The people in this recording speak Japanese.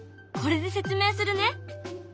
これで説明するね。